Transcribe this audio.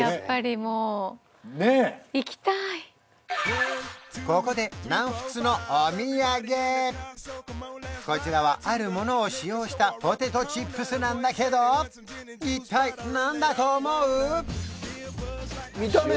もうここで南仏のお土産こちらはあるものを使用したポテトチップスなんだけど一体何だと思う？